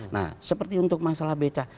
nah seperti untuk masalah beca